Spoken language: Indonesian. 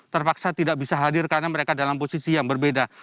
terpaksa tidak bisa hadir karena mereka dalam posisi yang berbeda